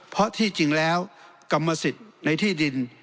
เพราะที่จริงแล้วกรรมสิทธิ์ในที่ดิน